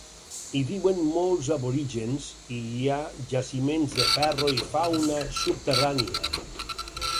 Hi viuen molts aborígens i hi ha jaciments de ferro i fauna subterrània.